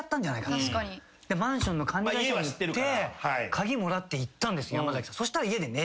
マンションの管理会社に言って鍵もらって行ったんです。